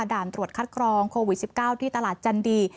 ด่านตรวจคัดกรองโควิด๑๙ที่ตลาดจันดี